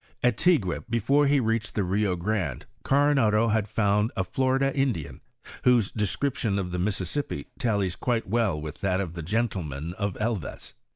At Tiguex before he reached the Bio Grande, Coronado had found a "Florida Indian" whose description of the Mississippi tallies quite well with with that of the gentleman of Elvas.